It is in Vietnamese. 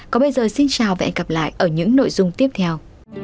còn bây giờ xin chào và hẹn gặp lại ở những nội dung tiếp theo